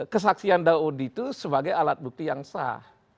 kesaksian dauditu sebagai alat bukti yang sah